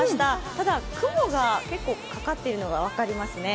ただ、雲が結構かかっているのが分かりますね。